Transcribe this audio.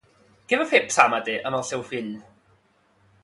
Què va fer Psàmate amb el seu fill?